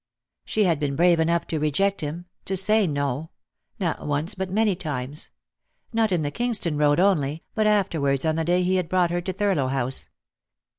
She had been brave enough to reject him ; to say no ; not once, but many times ; not in the Kingston *road only, but after wards on the day he had brought her to Thurlow House.